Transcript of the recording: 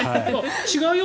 違うよ。